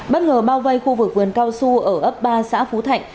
bất ngờ bao vây khu vực vườn cao su ở ấp ba xã phú thạnh